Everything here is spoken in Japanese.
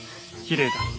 きれいだ。